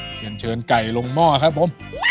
เรียนเชิญไก่ลงหม้อครับผม